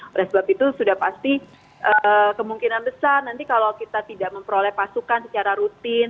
oleh sebab itu sudah pasti kemungkinan besar nanti kalau kita tidak memperoleh pasukan secara rutin